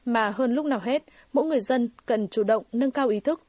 mà hơn lúc nào hết mỗi người dân cần chủ động nâng cao ý thức